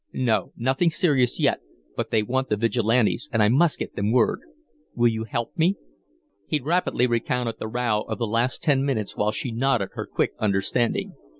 No nothing serious yet, but they want the Vigilantes, and I must get them word. Will you help me?" He rapidly recounted the row of the last ten minutes while she nodded her quick understanding.